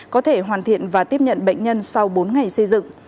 có thể hoàn thiện và tiếp nhận bệnh nhân sau bốn ngày xây dựng